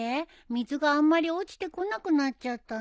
水があんまり落ちてこなくなっちゃったね。